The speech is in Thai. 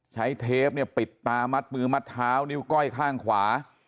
เทปเนี่ยปิดตามัดมือมัดเท้านิ้วก้อยข้างขวา